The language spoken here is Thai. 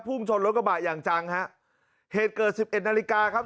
ชนรถกระบะอย่างจังฮะเหตุเกิดสิบเอ็ดนาฬิกาครับ